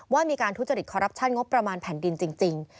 ว่ามีการทุจริตคอรัปชั่นงบประมาณแผ่นดินจริง